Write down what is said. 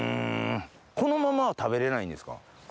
このままは食べれないんですか？